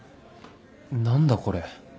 何だこれ